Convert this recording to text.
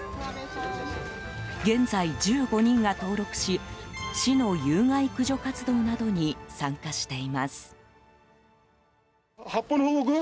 現在、１５人が登録し市の有害駆除活動などに参加しています。